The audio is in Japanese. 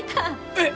えっ！？